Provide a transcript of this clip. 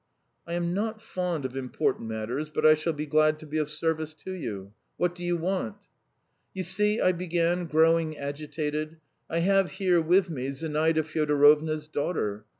"I am not very fond of important matters, but I shall be glad to be of service to you. What do you want?" "You see," I began, growing agitated, "I have here with me Zinaida Fyodorovna's daughter.